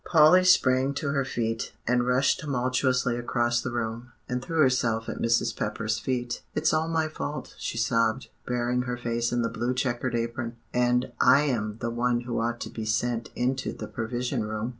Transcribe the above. Polly sprang to her feet, and rushed tumultuously across the room, and threw herself at Mrs. Pepper's feet. "It's all my fault," she sobbed, burying her face in the blue checked apron "and I am the one who ought to be sent into the Provision Room."